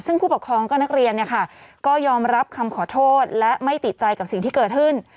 ซึ่งผู้ปกครองก็นักเรียนก็ยอมรับคำขอโทษและไม่ติดใจกับสิ่งที่เกิดขึ้น